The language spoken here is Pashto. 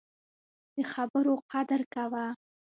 د خبرو قدر کوه